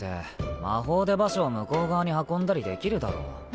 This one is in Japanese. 魔法で馬車を向こう側に運んだりできるだろ。